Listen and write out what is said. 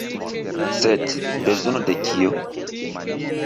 Sed, bezono de kio?